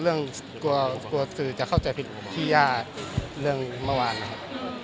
เรื่องกลัวสื่อจะเข้าใจผิดพี่ย่าเรื่องเมื่อวานนะครับ